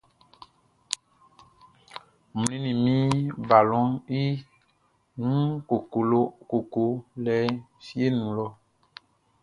N mlinnin min balɔnʼn i wun koko lɛ fieʼn nun lɔ.